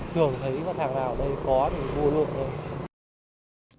thường thấy mặt hàng nào ở đây có thì mua luôn thôi